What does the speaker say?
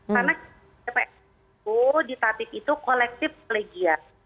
karena di tatip itu kolektif kolegial